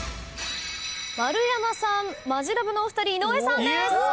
丸山さんマヂラブのお二人井上さんです。